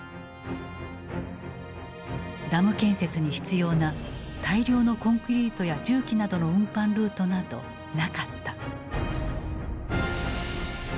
ダム建設に必要な大量のコンクリートや重機などの運搬ルートなどなかった。